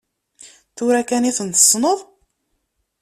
Tura kan i ten-tessneḍ?